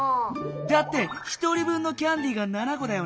だって１人分のキャンディーが７こだよね？